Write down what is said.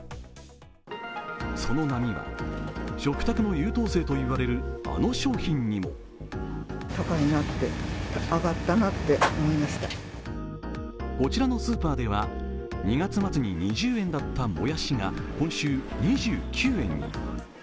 その波は、食卓の優等生といわれる、あの商品にも。こちらのスーパーでは２月末に２０円だったもやしが今週２９円に。